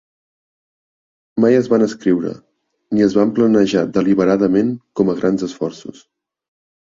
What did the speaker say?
Mai es van escriure; ni es van planejar deliberadament com a grans esforços.